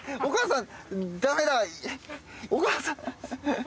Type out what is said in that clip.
お母さん。